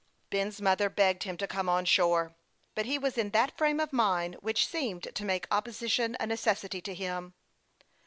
Ben's mother begged him to come on shore ; but he was in that frame of mind which seemed to make oppo sition a necessity to him.